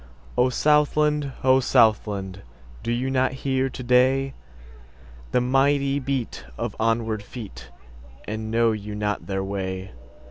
O Southland! O Southland! Do you not hear to dayThe mighty beat of onward feet, And know you not their way?